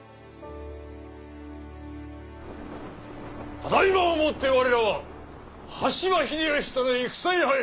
ただいまをもって我らは羽柴秀吉との戦に入る。